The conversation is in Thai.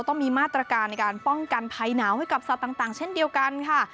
ต่างเช่นเดียวกันค่ะ